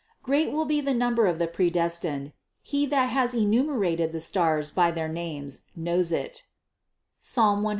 Great will be the number of the predestined : He that has enumerated the stars by their names knows it (Psalm 144, 4).